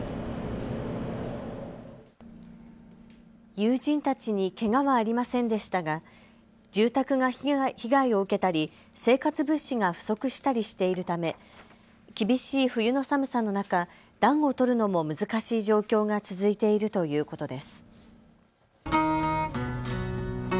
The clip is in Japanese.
友人たちにけがはありませんでしたが住宅が被害を受けたり生活物資が不足したりしているため厳しい冬の寒さの中、暖を取るのも難しい状況が続いているということです。